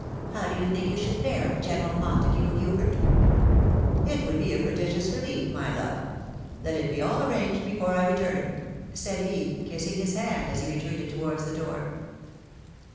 How do you tMnk you should bear it, General Montague Hubert ?"" It would be a prodigious relief, my love. Let it be all arranged before I return," said he, kissing his hand as he re treated towards the door.